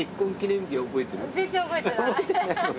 覚えてないの？